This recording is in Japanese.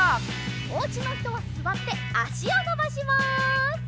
おうちのひとはすわってあしをのばします。